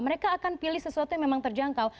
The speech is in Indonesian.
mereka akan pilih sesuatu yang memang terjangkau